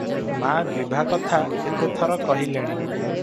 ମା ବିଭାକଥା କେତେ ଥର କହିଲେଣି ।